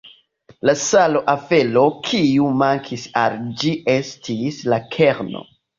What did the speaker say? La sola afero, kiu mankis al ĝi, estis la kerno.